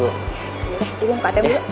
ibu mau ke atasnya dulu